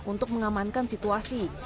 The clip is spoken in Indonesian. untuk mengamankan situasi